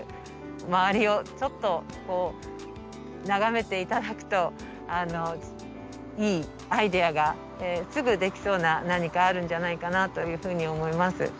周りをちょっとこう眺めて頂くといいアイデアがすぐできそうな何かあるんじゃないかなというふうに思います。